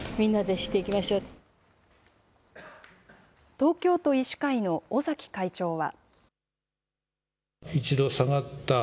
東京都医師会の尾崎会長は。